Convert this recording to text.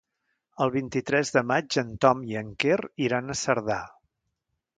El vint-i-tres de maig en Tom i en Quer iran a Cerdà.